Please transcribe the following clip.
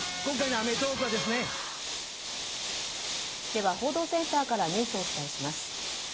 では、報道センターからニュースをお伝えします。